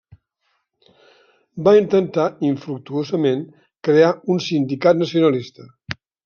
Va intentar, infructuosament, crear un sindicat nacionalista.